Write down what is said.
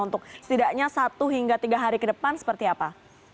untuk setidaknya satu hingga tiga hari ke depan seperti apa